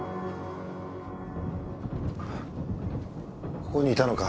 ここにいたのか。